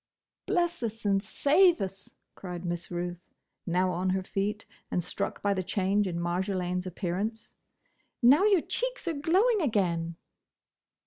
"Bless us and save us!" cried Miss Ruth, now on her feet, and struck by the change in Marjolaine's appearance, "now your cheeks are glowing again!"